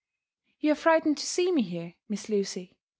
^* You are frightened to see me here. Miss Lucy?